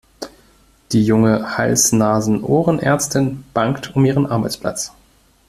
Die junge Hals-Nasen-Ohren-Ärztin bangt um ihren Arbeitsplatz.